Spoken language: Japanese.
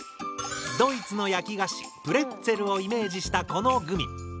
ドイツの焼き菓子プレッツェルをイメージしたこのグミ。